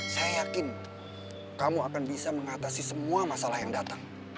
saya yakin kamu akan bisa mengatasi semua masalah yang datang